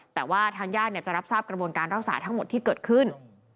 แต่ว่าทางญาติจะรับทราบกระบวนการรักษาทั้งหมดที่เกิดขึ้น